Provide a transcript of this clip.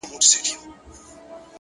پوهه د راتلونکو نسلونو رڼا ده.!